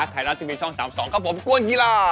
ไทยรัฐทีวีช่อง๓๒ครับผมกวนกีฬา